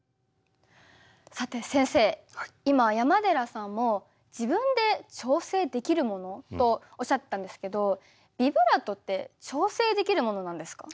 さて先生今山寺さんも自分で調整できるもの？とおっしゃってたんですけどビブラートって調整できるものなんですか？